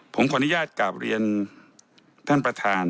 ผมขออนุญาตกลับเรียนท่านประธาน